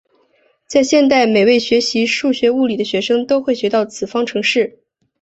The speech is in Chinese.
在现代每位学习数学物理的学生都会学到此方程式。